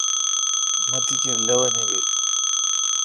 مہ تی کیر لاوینہ بیل۔